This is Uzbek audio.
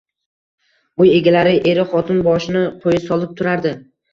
Uy egalari eru-xotin boshini qoʻyi solib turardi.